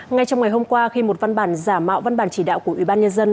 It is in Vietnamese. ngay trong ngày hôm qua khi một văn bản giả mạo văn bản chỉ đạo của ủy ban nhân dân